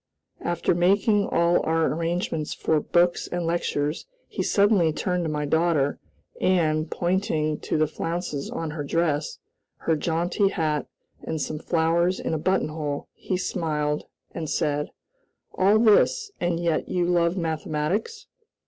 After making all our arrangements for books and lectures, he suddenly turned to my daughter, and, pointing to the flounces on her dress, her jaunty hat, and some flowers in a buttonhole, he smiled, and said: "All this, and yet you love mathematics?"